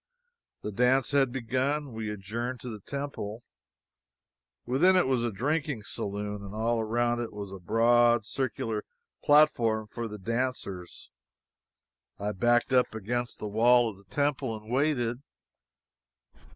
The dance had begun, and we adjourned to the temple. Within it was a drinking saloon, and all around it was a broad circular platform for the dancers. I backed up against the wall of the temple, and waited.